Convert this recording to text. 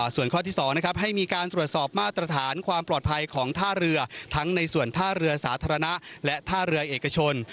ส่วนข้อที่๒ให้มีการตรวจสอบมาตรฐานความปลอดภัยของท่าเรือทั้งในส่วนท่าเรือสาธารณะและท่าเรือเอกชน